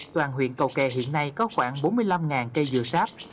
toàn huyện cầu kè hiện nay có khoảng bốn mươi năm cây dừa sáp